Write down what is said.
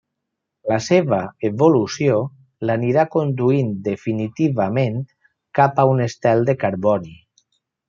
La seva evolució l'anirà conduint definitivament cap a un estel de carboni.